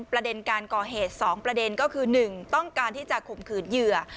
ประเด็นการก่อเหตุ๒ประเด็นก็คือ๑ต้องการที่จะข่มขืนเหยื่อ